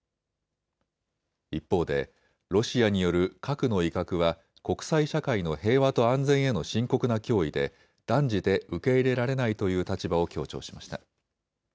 一方でロシアによる核の威嚇は国際社会の平和と安全への深刻な脅威で断じて受け入れられないという立場を強調しました。